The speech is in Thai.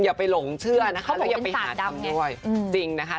อย่าไปหลงเชื่อนะคะแล้วอย่าไปหาทำด้วยจริงนะคะ